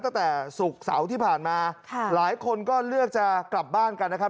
ตั้งแต่ศุกร์เสาร์ที่ผ่านมาค่ะหลายคนก็เลือกจะกลับบ้านกันนะครับ